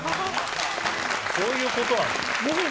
そういうことなんだ。